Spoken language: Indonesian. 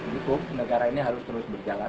cukup negara ini harus terus berjalan